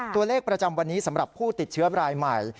ตัวเลขประจำวันนี้สำหรับผู้ติดเชื้อรายใหม่